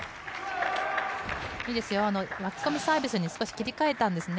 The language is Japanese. いいですよ、巻き込むサービスに少し切り替えたんですね。